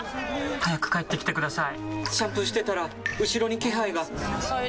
早く帰ってきてください！